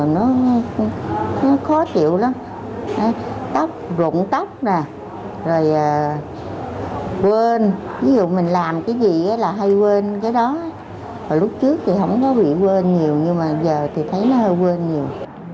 lúc trước thì không có bị quên nhiều nhưng mà giờ thì thấy nó hơi quên nhiều